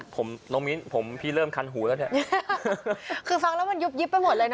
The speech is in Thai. ผมน้องมิ้นผมพี่เริ่มคันหูแล้วเนี่ยคือฟังแล้วมันยุบยิบไปหมดเลยนะ